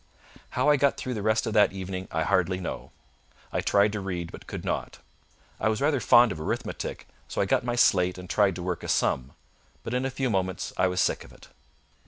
How I got through the rest of that evening I hardly know. I tried to read, but could not. I was rather fond of arithmetic; so I got my slate and tried to work a sum; but in a few moments I was sick of it.